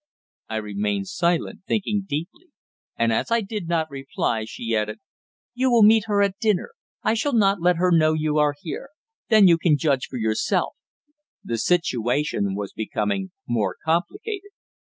I remained silent, thinking deeply; and as I did not reply, she added: "You will meet her at dinner. I shall not let her know you are here. Then you can judge for yourself." The situation was becoming more complicated.